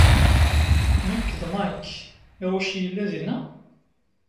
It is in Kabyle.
Nekk d Mike. Hiroshi yella dinna?